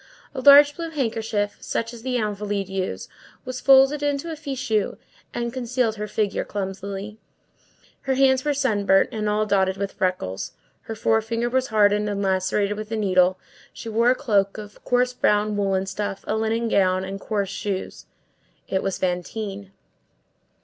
A large blue handkerchief, such as the Invalides use, was folded into a fichu, and concealed her figure clumsily. Her hands were sunburnt and all dotted with freckles, her forefinger was hardened and lacerated with the needle; she wore a cloak of coarse brown woollen stuff, a linen gown, and coarse shoes. It was Fantine.